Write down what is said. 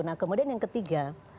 nah kemudian yang ketiga